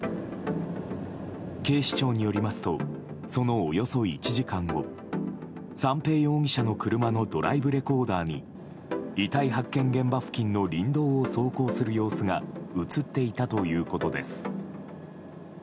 警視庁によりますとそのおよそ１時間後三瓶容疑者の車のドライブレコーダーに遺体発見現場付近の林道を走行する様子が映っていたということです。